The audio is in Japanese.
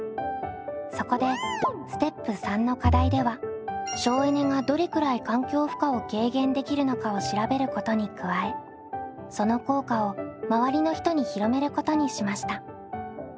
そこでステップ③の課題では省エネがどれくらい環境負荷を軽減できるのかを調べることに加えその効果をまわりの人に広めることにしました。